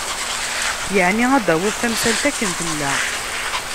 Yeεni ad d-tawiḍ tamsalt akken tella.